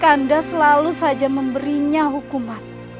anda selalu saja memberinya hukuman